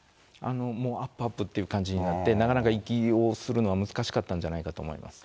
もうあっぷあっぷっていう感じになって、なかなか息をするのは難しかったんじゃないかと思います。